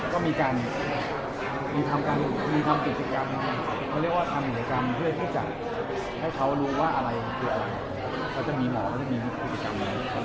ก็มีการทำกิจกรรมเพื่อให้เขารู้ว่าอะไรคืออะไรจะมีหมอก็จะมีกิจกรรม